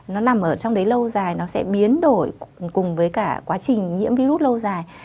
nó nằm ở trong đấy lâu dài nó sẽ biến đổi cùng với cả quá trình nhiễm virus lâu dài